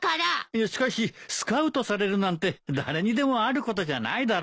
いやしかしスカウトされるなんて誰にでもあることじゃないだろ。